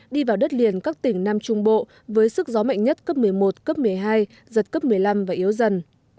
đi vào đất liền các tỉnh nam trung bộ với sức gió mạnh nhất cấp một mươi một cấp một mươi hai giật cấp một mươi năm và yếu dần